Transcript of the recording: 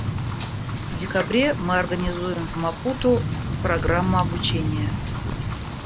В декабре мы организуем в Мапуту программу обучения.